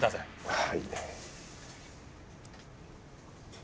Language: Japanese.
はい。